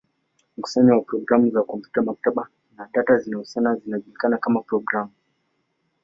Mkusanyo wa programu za kompyuta, maktaba, na data zinazohusiana zinajulikana kama programu.